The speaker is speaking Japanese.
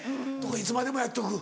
いつまでもやっとく？